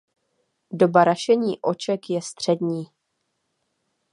Doba rašení oček je střední.